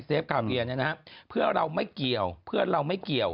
กาเบียเนี่ยนะฮะเพื่อเราไม่เกี่ยวเพื่อนเราไม่เกี่ยว